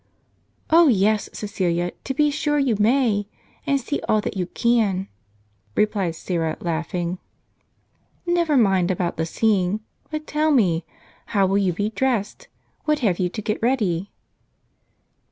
" "Oh, yes, Ceecilia, to be sure you may; and see all that you can," replied Syra, laughing. " Never mind about the seeing. But tell me, how wall you be dressed ? What have you to get ready